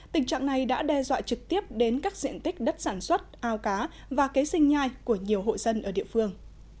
tình trạng này đã đe dọa trực tiếp đến các diện tích đất sản xuất ao cá và kế sinh nhai của nhiều hộ dân ở địa phương